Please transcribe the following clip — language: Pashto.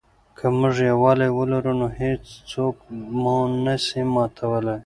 که موږ یووالي ولرو نو هېڅوک مو نه سي ماتولای.